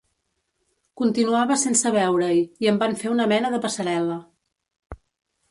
Continuava sense veure-hi i em van fer una mena de passarel·la.